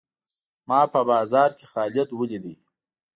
ما په بازار کښي خالد وليدئ.